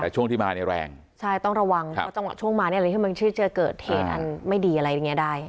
แต่ช่วงที่มาเนี่ยแรงใช่ต้องระวังเพราะจังหวะช่วงมาเนี่ยอะไรที่มันจะเกิดเหตุอันไม่ดีอะไรอย่างเงี้ได้